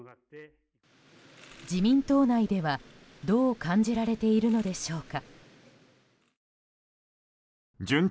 自民党内では、どう感じられているのでしょうか。